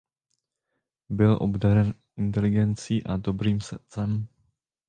Byl obdařen inteligencí a dobrým srdcem.